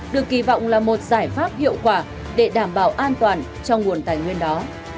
được kỳ vọng là một giải pháp hiệu quả để đảm bảo an toàn cho nguồn tài nguyên đó